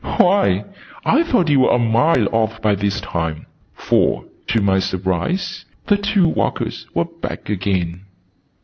"Why, I thought you were a mile off by this time!" For, to my surprise, the two walkers were back again.